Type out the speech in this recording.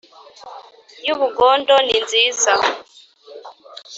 y’ubugondo. ni nziza